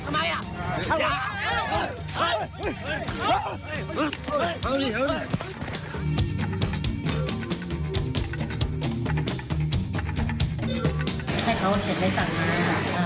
มันจอดอย่างง่ายอย่างง่ายอย่างง่ายอย่างง่าย